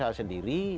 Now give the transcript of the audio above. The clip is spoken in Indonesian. kebetulan saya sendiri